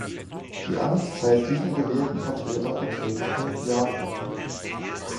Die Amtszeit dieser gewählten Vertreter beträgt fünf Jahre.